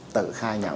tự khai nhận